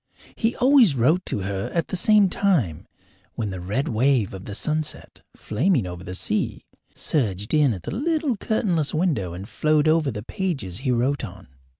He always wrote to her at the same time when the red wave of the sunset, flaming over the sea, surged in at the little curtainless window and flowed over the pages he wrote on.